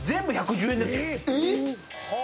えっ！？